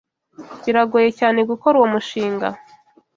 Biragoye cyane gukora uwo mushinga.